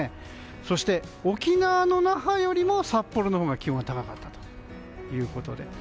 そして、沖縄の那覇よりも札幌のほうが気温が高かったということで。